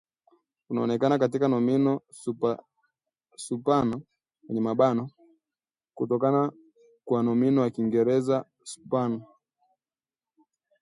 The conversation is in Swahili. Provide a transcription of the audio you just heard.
unaonekana katika nomino [supana] kutoka kwa nomino ya Kiingereza /spQn«/